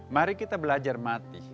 mari kita belajar mati